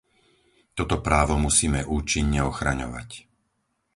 Toto právo musíme účinne ochraňovať.